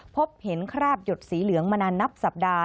พบเห็นคราบหยดสีเหลืองมานานนับสัปดาห